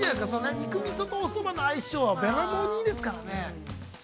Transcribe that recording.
肉みそとおそばの相性はべらぼうにいいですからね。